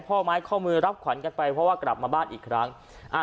ข้อไม้ข้อมือรับขวัญกันไปเพราะว่ากลับมาบ้านอีกครั้งอ่า